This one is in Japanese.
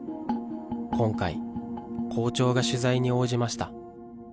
今回、校長が取材に応じました。